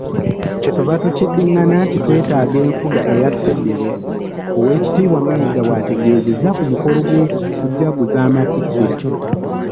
"Kye tuva tukiddingana nti twetaaga enfuga eya Federo.” Owekitiibwa Mayiga bw'ategeezezza ku mukolo gw'okujaguza amatikira.